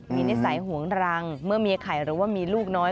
มีนิสัยหวงรังเมื่อเมียไข่หรือว่ามีลูกน้อย